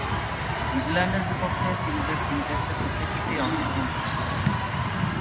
নিউজিল্যান্ডের বিপক্ষে সিরিজের তিন টেস্টের প্রত্যেকটিতেই অংশগ্রহণ ছিল তার।